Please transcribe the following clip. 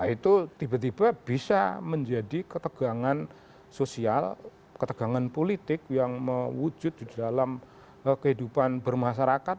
itu tiba tiba bisa menjadi ketegangan sosial ketegangan politik yang mewujud di dalam kehidupan bermasyarakat